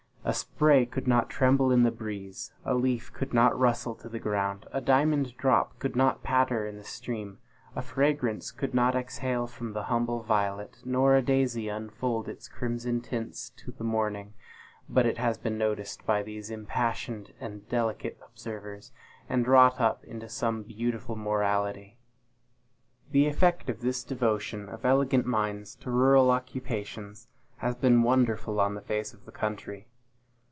A spray could not tremble in the breeze a leaf could not rustle to the ground a diamond drop could not patter in the stream a fragrance could not exhale from the humble violet, nor a daisy unfold its crimson tints to the morning, but it has been noticed by these impassioned and delicate observers, and wrought up into some beautiful morality. The effect of this devotion of elegant minds to rural occupations has been wonderful on the face of the country.